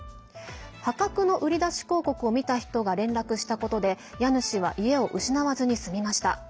破格の売り出し広告を見た人が連絡したことで家主は家を失わずに済みました。